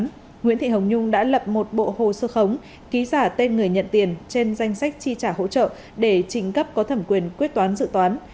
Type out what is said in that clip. trước đó nguyễn thị hồng nhung đã lập một bộ hồ sơ khống ký giả tên người nhận tiền trên danh sách chi trả hỗ trợ để trình cấp có thẩm quyền quyết toán dự toán